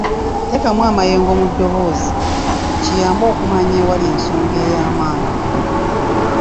Teekamu amayengo mu ddoboozi; kiyambe okumanya ewali ensonga ey'amaanyi.